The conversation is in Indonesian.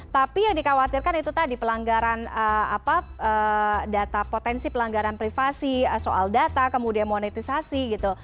tapi yang dikhawatirkan itu tadi pelanggaran data potensi pelanggaran privasi soal data kemudian monetisasi gitu